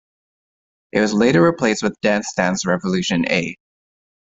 It was later replaced with Dance Dance Revolution A.